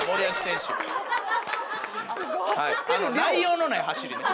内容のない走りね。